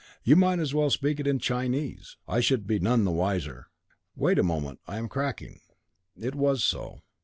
"You might as well speak it in Chinese. I should be none the wiser. Wait a moment. I am cracking." It was so.